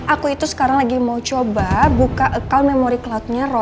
aku itu sekarang lagi mau coba buka account memory cloud nya roy